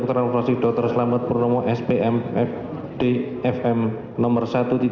b keterangan saksi darpangan salin nomor satu dua belas